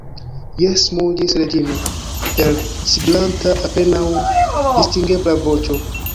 Jes, muĝis Reĝino per siblanta apenaŭ distingebla voĉo.